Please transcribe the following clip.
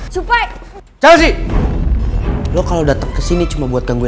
cik cik cik cik mulutnya